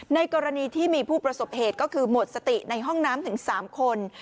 กรณีที่มีผู้ประสบเหตุก็คือหมดสติในห้องน้ำถึง๓คน